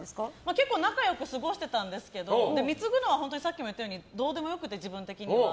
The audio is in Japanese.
結構仲良く過ごしてたんですけど貢ぐのは、さっき言ったようにどうでもよくて、自分的には。